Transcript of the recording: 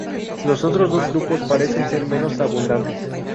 Los otros dos grupos parecen ser menos abundantes.